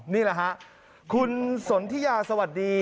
นี่แหละฮะคุณสนทิยาสวัสดี